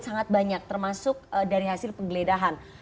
sangat banyak termasuk dari hasil penggeledahan